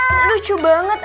aduh lucu banget